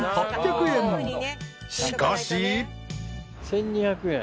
［しかし］１，２００円。